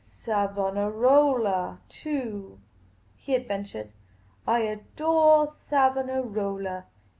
" Savonarola, too," he adventured. " I adore Savona rola.